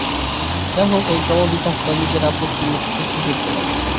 যাহা হউক, এই ক্রমবিকাশবাদীদের আপত্তি যুক্তিযুক্ত নয়।